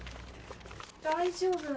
・大丈夫。